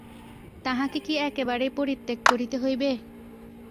তাঁহাকে কি একেবারেই পরিত্যাগ করিতে হইবে?